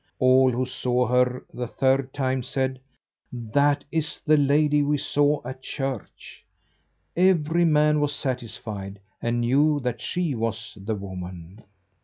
All who saw her the third time said: "That is the lady we saw at church." Every man was satisfied, and knew that she was the woman.